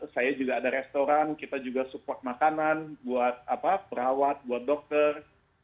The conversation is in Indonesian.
saya juga ada restoran kita juga support makanan buat perawat buat dokter